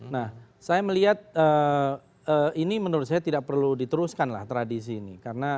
nah saya melihat ini menurut saya tidak perlu diteruskanlah tradisi ini